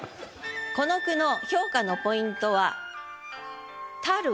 この句の評価のポイントは「たる」。